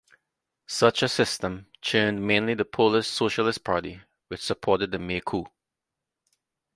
Such a system churned mainly the Polish Socialist Party, which supported the May Coup.